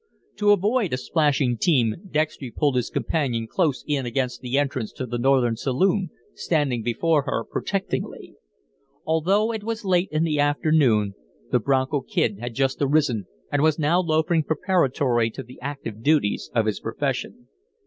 To avoid a splashing team, Dextry pulled his companion close in against the entrance to the Northern saloon, standing before her protectingly. Although it was late in the afternoon the Bronco Kid had just arisen and was now loafing preparatory to the active duties of his profession.